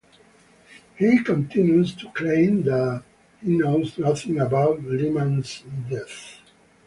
He continues to claim that he knows nothing about Lyman's death.